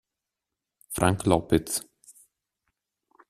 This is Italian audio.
Frank Lopez